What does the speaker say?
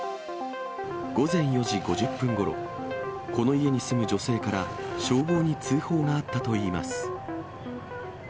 午前４時５０分ごろ、この家に住む女性から、消防に通報があったといいます。